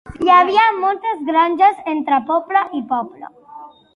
Hi havia moltes granges entre poble i poble.